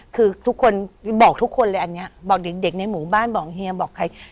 คือทุกคนบอกทุกคนเลยอันนี้บอกเด็กในหมู่บ้านบอกเฮียบอกใคร